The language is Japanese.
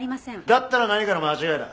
だったら何かの間違いだ。